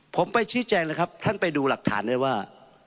ผมไปชี้แจงเลยครับท่านไปดูหลักฐานด้วยว่า